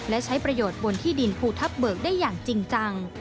และใช้ประโยชน์บนที่ดินภูทับเบิกได้อย่างจริงจัง